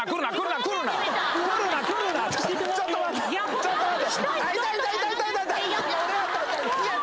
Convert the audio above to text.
ちょっと待って。